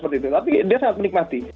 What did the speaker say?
tapi dia sangat menikmati